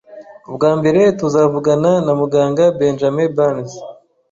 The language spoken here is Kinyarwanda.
Ubwa mbere, tuzavugana na Muganga Benjamin Burns